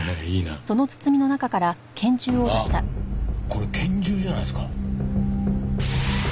あっこれ拳銃じゃないですか？